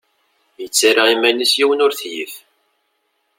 Yettarra iman-is yiwen ur t-yif.